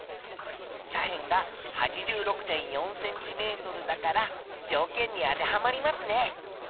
斜辺が８６．４ｃｍだから条件に当てはまりますね。